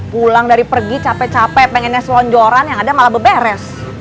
pulang dari pergi capek capek pengennya selonjoran yang ada malah beberes